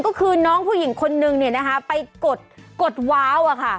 ก็คือน้องผู้หญิงคนนึงเนี่ยนะคะไปกดว้าวอะค่ะ